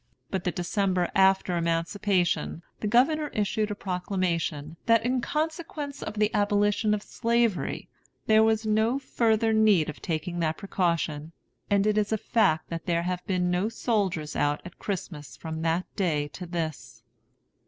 But the December after emancipation, the Governor issued a proclamation, that, "in consequence of the abolition of Slavery," there was no further need of taking that precaution. And it is a fact that there have been no soldiers out at Christmas from that day to this.